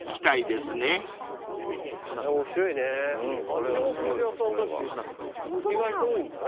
あっちも古着屋さんだし意外と多いんだね。